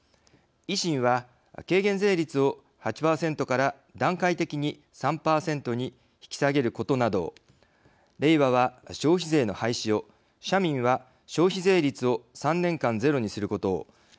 維新は軽減税率を８％から段階的に３％に引き下げることなどをれいわは消費税の廃止を社民は消費税率を３年間ゼロにすることを。